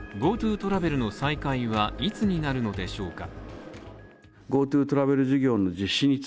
ＧｏＴｏトラベルの再開はいつになるのでしょうか？